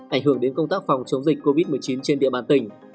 ảnh hưởng đến công tác phòng chống dịch covid một mươi chín trên địa bàn tỉnh